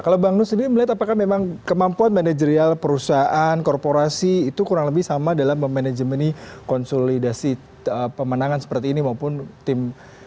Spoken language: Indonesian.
kalau bang nus sendiri melihat apakah memang kemampuan manajerial perusahaan korporasi itu kurang lebih sama dalam memanajemeni konsolidasi pemenangan seperti ini maupun tim